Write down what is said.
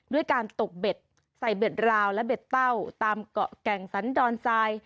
ด้วยการตกเบ็ดใส่เบ็ดราวและเบ็ดเต้าตามเกาะแก่งสันดอนทราย